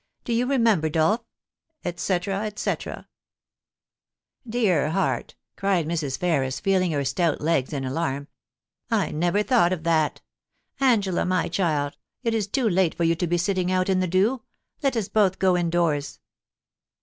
Do you remember, Dolph?* etc, etc. * Dear heart !' cried Mrs. Ferris, feeling her stout legs in alarm :* I never thought of that Angela, my child, it is too late for you to be sitting out in the dew. Let us both go indoors.'